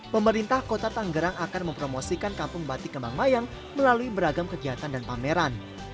pemerintah kota tanggerang akan mempromosikan kampung batik kembang mayang melalui beragam kegiatan dan pameran